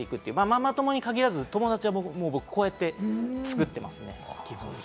ママ友に限らず友達は僕、こうやって作ってますね。